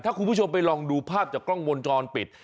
ถ้าคุณผู้ชมไปลองดูภาพจากกล้องวงจรปิด